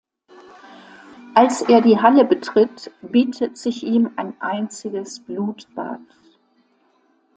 Als er die Halle betritt, bietet sich ihm ein einziges Blutbad.